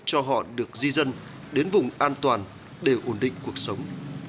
cho họ được di dân đến vùng an toàn để ổn định cuộc sống